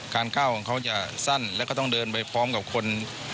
ก้าวของเขาจะสั้นแล้วก็ต้องเดินไปพร้อมกับคน